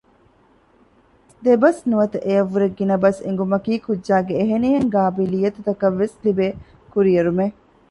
ދެ ބަސް ނުވަތަ އެއަށްވުރެ ގިނަ ބަސް އެނގުމަކީ ކުއްޖާގެ އެހެންނިހެން ގާބިލިއްޔަތުތަކަށް ވެސް ލިބޭ ކުރިއެރުމެއް